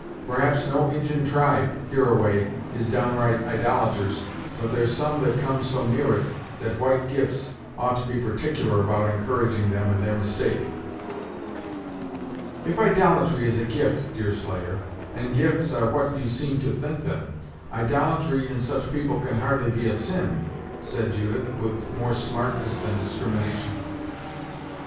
Perhaps no Injin tribe, hereaway, is downright idolators but there's some that come so near it, that white gifts ought to be particular about encouraging them in their mistake." "If idolatry is a gift, Deerslayer, and gifts are what you seem to think them, idolatry in such people can hardly be a sin," said Judith with more smartness than discrimination.